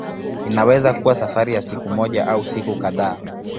Inaweza kuwa safari ya siku moja au siku kadhaa.